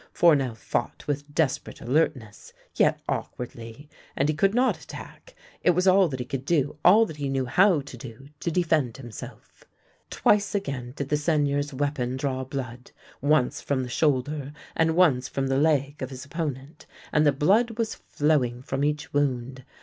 Fournel fought with desperate alertness, yet awkwardly, and he could not attack ; it was all that he could do, all that he knew how to do, to defend himself. Twice again did the Seigneur's weapon draw blood, once from the shoulder and once from the leg of his opponent, and the blood was flow ing from each wound.